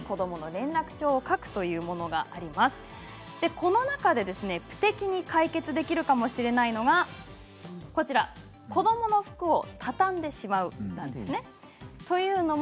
この中でプテキに解決できるかもしれないのが子どもの服を畳んでしまうです。